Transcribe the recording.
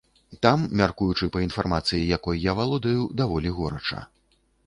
Там, мяркуючы па інфармацыі, якой я валодаю, даволі горача.